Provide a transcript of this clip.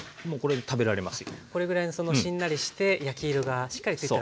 これぐらいのそのしんなりして焼き色がしっかりついたら。